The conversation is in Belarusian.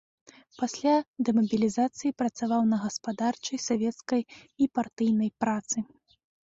Пасля дэмабілізацыі працаваў на гаспадарчай, савецкай і партыйнай працы.